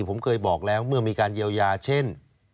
ผมเคยบอกแล้วเมื่อมีการเยียวยาเช่น